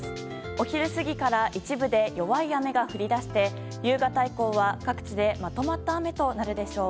お昼過ぎから一部で弱い雨が降り出して夕方以降は各地でまとまった雨となるでしょう。